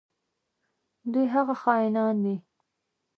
دوی هغه خاینان دي.